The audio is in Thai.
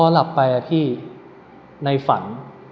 หลับไปอะพี่ในฝัน